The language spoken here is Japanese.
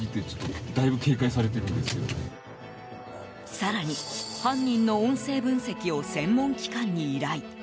更に、犯人の音声分析を専門機関に依頼。